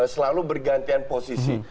selalu bergantian posisi